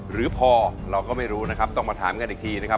หรือพอเราก็ไม่รู้นะครับต้องมาถามกันอีกทีนะครับ